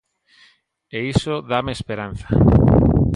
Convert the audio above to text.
E iso dáme esperanza.